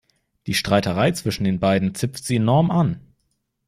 Die Streiterei zwischen den beiden zipft sie enorm an.